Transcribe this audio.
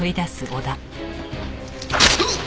うっ！